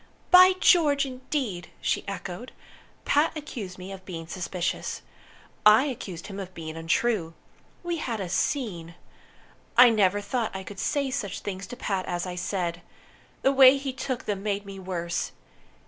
"By George, indeed!" she echoed. "Pat accused me of being suspicious. I accused him of being untrue. We had a scene! I never thought I could say such things to Pat as I said. The way he took them made me worse.